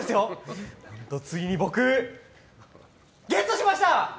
ついに僕ゲットしました！